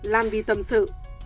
lan vy tâm sự